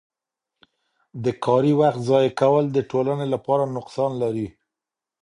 د کاري وخت ضایع کول د ټولنې لپاره نقصان لري.